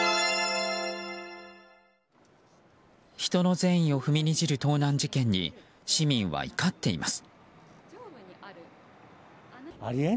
人の善意を踏みにじる盗難事件に、市民は怒っています。